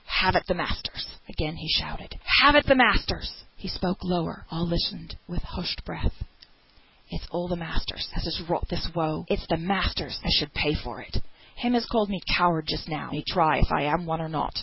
Have at the masters!" Again he shouted, "Have at the masters!" He spoke lower; all listened with hushed breath. "It's the masters as has wrought this woe; it's the masters as should pay for it. Him as called me coward just now, may try if I am one or not.